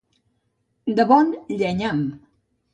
De bon llenyam.